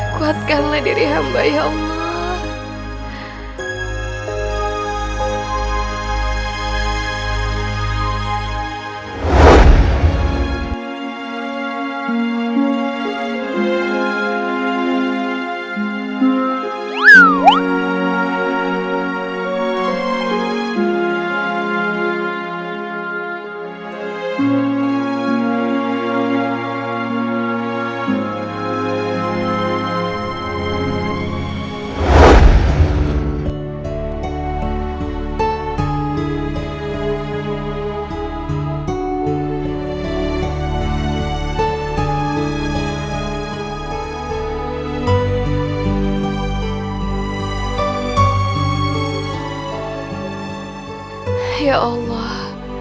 kuatkanlah diri hamba ya allah